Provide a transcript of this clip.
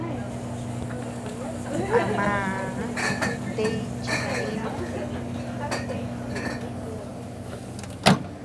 A maa tey chi kadinuu.